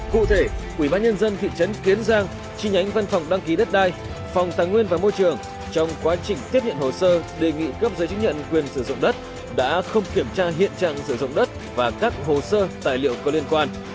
cụ thể ubnd thị trấn kiến giang chi nhánh văn phòng đăng ký đất đai phòng tài nguyên và môi trường trong quá trình tiếp nhận hồ sơ đề nghị cấp giấy chứng nhận quyền sử dụng đất đã không kiểm tra hiện trạng sử dụng đất và các hồ sơ tài liệu có liên quan